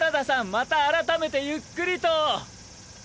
また改めてゆっくりと。